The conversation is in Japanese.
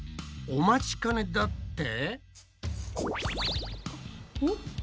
お待ちかねだって？